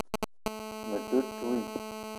Me te ntouii